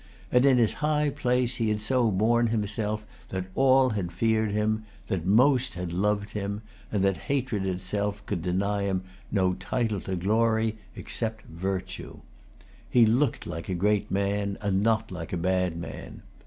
And in his high place he had so borne himself that all had feared him, that most had loved him, and that hatred itself could deny him no title to glory, except virtue. He looked like a great man, and not like a bad man.